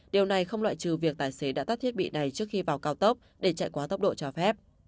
điều này không loại trừ việc tài xế đã tắt thiết bị này trước khi vào cao tốc để chạy quá tốc độ cho phép